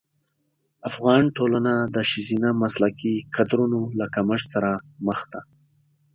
افغان ټولنه د ښځینه مسلکي کدرونو له کمښت سره مخ ده.